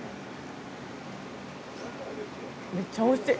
めっちゃおいしい！